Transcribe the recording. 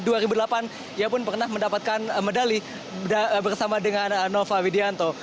dia pun pernah mendapatkan medali bersama dengan nova widianto